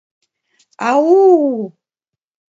Ау-у!